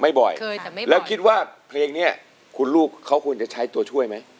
ไม่บ่อยแล้วคิดว่าเพลงนี้คุณลูกเค้าควรจะใช้ตัวช่วยไหม